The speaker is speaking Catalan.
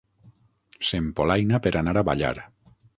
S'empolaina per anar a ballar.